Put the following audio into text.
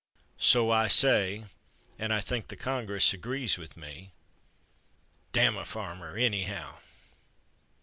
"So I say, and I think that Congress agrees with me. Damn a farmer, anyhow!"